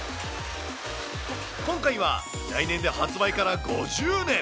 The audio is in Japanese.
今回は来年で発売から５０年。